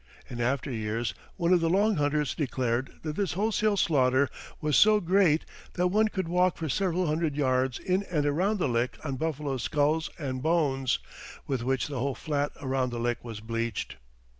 In after years one of the Long Hunters declared that this wholesale slaughter was so great "that one could walk for several hundred yards in and around the lick on buffaloes' skulls and bones, with which the whole flat around the lick was bleached."